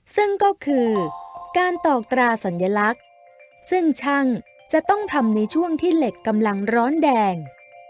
ซึ่งก็คือการตอกตราสัญลักษณ์ซึ่งช่างจะต้องทำในช่วงที่เหล็กกำลังร้อนแดง